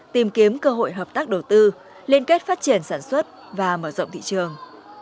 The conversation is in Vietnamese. tìm kiếm cơ hội hợp tác đầu tư liên kết phát triển sản xuất và mở rộng thị trường